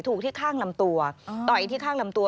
ถูกที่ข้างลำตัวต่อยที่ข้างลำตัว